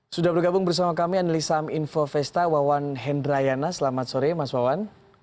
sudah bergabung bersama kami anelisa aminfo vesta wawan hendrayana selamat sore mas wawan